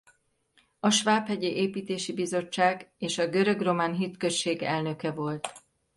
A svábhegyi építési bizottság és a görög-román hitközség elnöke volt.